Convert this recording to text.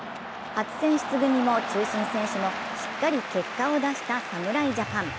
初選出組も中心選手もしっかり結果を出した侍ジャパン。